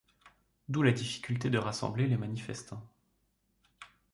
D'où la difficulté de rassembler les manifestants.